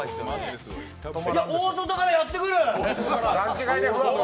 大外からやってくる！